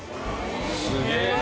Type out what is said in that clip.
すげえな。